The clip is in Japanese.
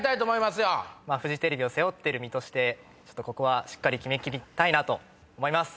フジテレビを背負ってる身としてちょっとここはしっかり決め切りたいなと思います。